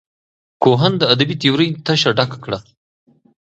کوهن د ادبي تیورۍ تشه ډکه کړه.